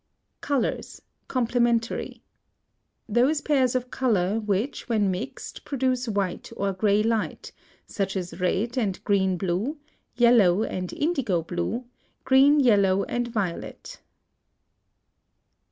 COLORS, COMPLEMENTARY. Those pairs of color which when mixed produce white or gray light, such as red and green blue, yellow and indigo blue, green yellow and violet.